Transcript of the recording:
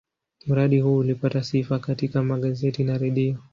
Mradi huu ulipata sifa katika magazeti na redio.